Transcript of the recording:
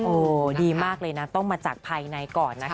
โอ้โหดีมากเลยนะต้องมาจากภายในก่อนนะคะ